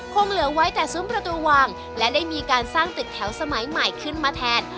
คงเหลือไว้แต่ซุ้มประตูวางและได้มีการสร้างตึกแถวสมัยใหม่ขึ้นมาแทน